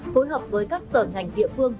phối hợp với các sở ngành địa phương